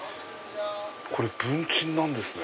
これ文鎮なんですね。